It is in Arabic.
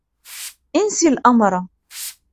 انسِي الأمر.